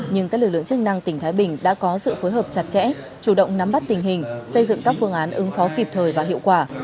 nhưng các lực lượng chức năng tỉnh thái bình đã có sự phối hợp chặt chẽ chủ động nắm bắt tình hình xây dựng các phương án ứng phó kịp thời và hiệu quả